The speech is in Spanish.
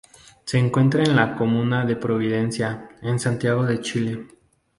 Se encuentra en la comuna de Providencia, en Santiago de Chile.